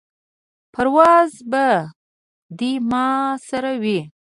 پرواز به دې ما سره وي.